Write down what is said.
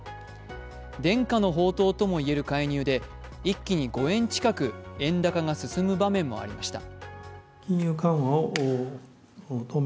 伝家の宝刀ともいえる介入で一気に５円近く円高が進む場面もありました。